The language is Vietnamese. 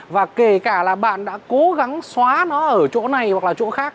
và kể cả là bạn đã cố gắng xóa nó ở chỗ này hoặc là chỗ khác